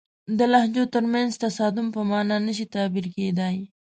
د لهجو ترمنځ تصادم په معنا نه شي تعبیر کېدای.